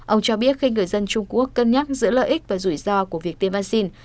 ông cho biết khi người dân trung quốc cân nhắc giữa lợi ích và rủi ro của việc tiêm vaccine